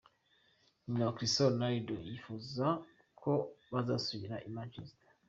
Nyina wa Cristiano Ronaldo yifuza ko bazasubira i Manchester.